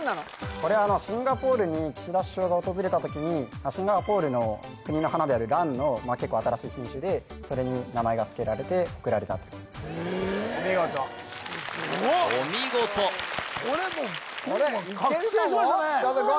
これあのシンガポールに岸田首相が訪れた時にシンガポールの国の花である蘭の結構新しい品種でそれに名前がつけられて贈られたとええすごっお見事お見事これもうこれいけるかも？